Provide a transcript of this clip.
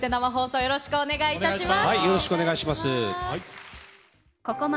よろしくお願いします。